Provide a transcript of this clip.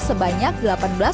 sebanyak delapan belas holes